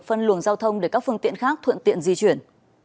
phân luồng giao thông để các phương tiện khác thuận tiện di chuyển